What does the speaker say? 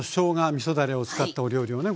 みそだれを使ったお料理をね